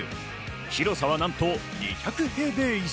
広さはなんと２００平米以上。